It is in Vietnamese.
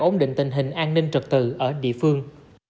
ổn định tình hình an ninh trật tự ở địa phương